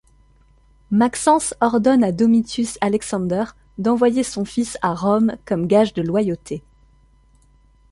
Maxence ordonne à Domitius Alexander d’envoyer son fils à Rome comme gage de loyauté.